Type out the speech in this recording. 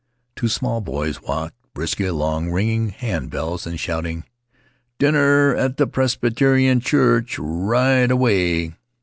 Two small boys walked briskly along, ringing hand bells, and shouting, "Din ner at the Pres by terian church ri i i ight awa a a ay."